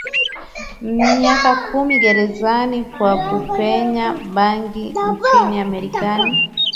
miaka kumi gerezani kwa kupenyeza bangi nchini Marekani